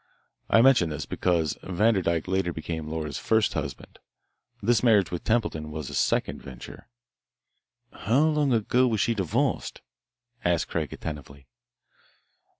I mention this, because Vanderdyke later became Laura's first husband. This marriage with Templeton was a second venture." "How long ago was she divorced?" asked Craig attentively.